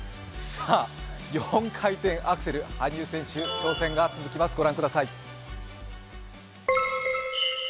４回転アクセル、羽生選手、挑戦が続きます。